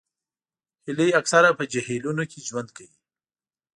هیلۍ اکثره په جهیلونو کې ژوند کوي